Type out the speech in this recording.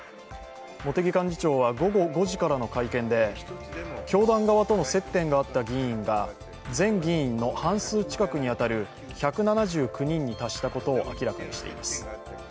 茂木幹事長は午後５時からの会見で教団側との接点があった議員が全議員の半数近くに当たる１７９人に達したことを明らかにしています。